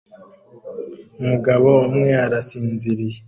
Umugabo umwe arasinziriye